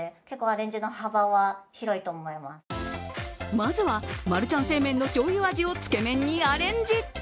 まずはマルちゃん正麺の醤油味をつけ麺にアレンジ。